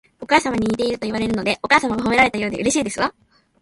お母様に似ているといわれるので、お母様が褒められたようでうれしいですわ